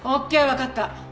わかった。